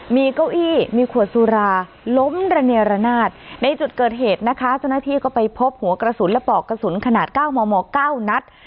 มีเก้าอี้มีขวดสุราล้มระเนรนาศในจุดเกิดเหตุนะคะเจ้าหน้าที่ก็ไปพบหัวกระสุนและปอกกระสุนขนาด๙มม๙นัด